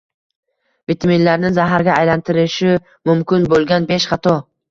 Vitaminlarni zaharga aylantirishi mumkin bo‘lganbeshxato